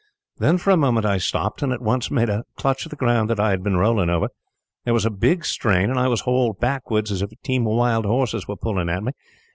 Then for a moment I stopped, and at once made a clutch at the ground that I had been rolling over. There was a big strain, and I was hauled backwards as if a team of wild horses were pulling at me.